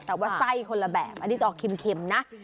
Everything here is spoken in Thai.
แต่ว่าไส้คนละแบบอันนี้จะออกเค็มนะ